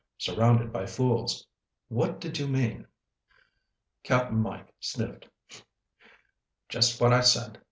Surrounded by fools.' What did you mean?" Cap'n Mike sniffed. "Just what I said.